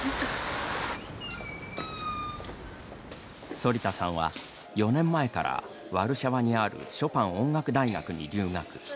反田さんは４年前からワルシャワにあるショパン音楽大学に留学。